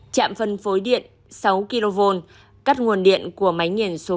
chạm phân phối điện sáu kv cắt nguồn điện của máy nghiền số ba